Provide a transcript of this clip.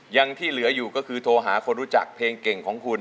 ยังที่เหลืออยู่ก็คือโทรหาคนรู้จักเพลงเก่งของคุณ